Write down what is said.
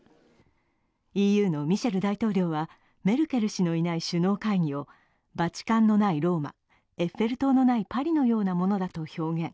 ＥＵのミシェル大統領は、メルケル氏のいない首脳会議をバチカンのないローマ、エッフェル塔のないパリのようなものだと表現。